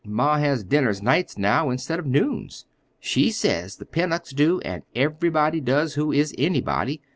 Ma has dinners nights now, instead of noons. She says the Pennocks do, an' everybody does who is anybody.